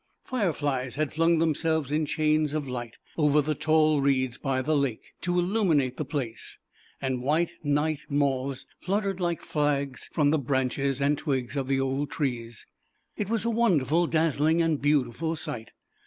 Fireflies had flung themselves in chains of light, over the tall reeds by the lake, to illuminate the place, and white Night Moths fluttered like flags from the branches and twigs of the old trees. It was a wonderful, dazzling, and beautiful sight.